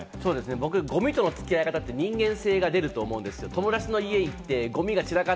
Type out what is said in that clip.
僕、ゴミとの付き合い方って人間性が出ると思うんです。